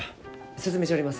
進めちょります。